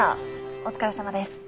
お疲れさまです。